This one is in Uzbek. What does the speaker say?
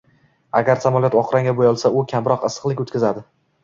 Agar samolyot oq rangga boʻyalsa, u kamroq issiqlik oʻtkazadi